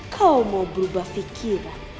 kau mau berubah pikiran